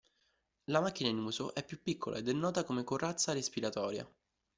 La macchina in uso è più piccola ed è nota come "Corazza respiratoria".